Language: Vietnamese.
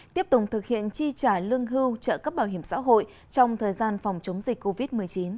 tiếp tục thực hiện chi trả lương hưu trợ cấp bảo hiểm xã hội trong thời gian phòng chống dịch covid một mươi chín